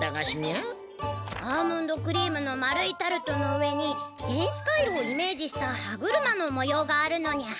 アーモンドクリームの丸いタルトの上に電子回路をイメージした歯車の模様があるのにゃ。